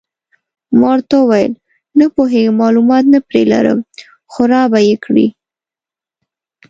ما ورته وویل: نه پوهېږم، معلومات نه پرې لرم، خو را به یې کړي.